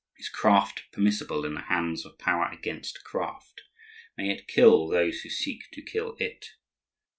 Is craft permissible in the hands of power against craft? may it kill those who seek to kill it?